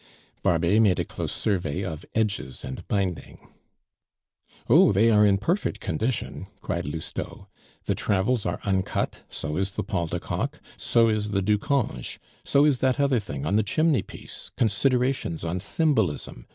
Barbet made a close survey of edges and binding. "Oh! they are in perfect condition," cried Lousteau. "The Travels are uncut, so is the Paul de Kock, so is the Ducange, so is that other thing on the chimney piece, Considerations on Symbolism.